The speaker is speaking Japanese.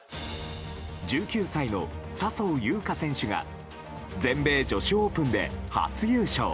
１９歳の笹生優花選手が全米女子オープンで初優勝。